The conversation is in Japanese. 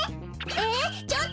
えっ！